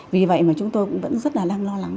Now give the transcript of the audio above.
vì vậy mà chúng tôi cũng vẫn rất là đang lo lắng